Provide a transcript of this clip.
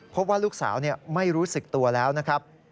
พบว่าลูกสาวไม่รู้สึกตัวแล้วนะครับ